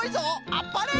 あっぱれ！